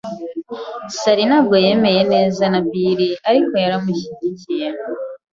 Sally ntabwo yemeye neza na Bill, ariko yaramushyigikiye.